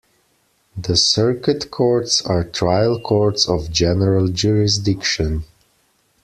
The Circuit Courts are trial courts of general jurisdiction.